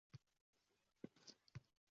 Yiroqlarda boʼy choʼzgan togʼlar